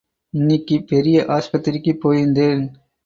இன்னிக்கி பெரிய ஆஸ்பத்திரிக்கு போயிருந்தேன்.